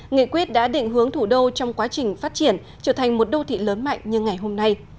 nghị quyết đã định hướng thủ đô trong quá trình phát triển trở thành một đô thị lớn mạnh như ngày hôm nay